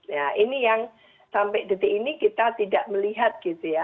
nah ini yang sampai detik ini kita tidak melihat gitu ya